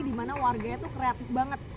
di mana warganya itu kreatif banget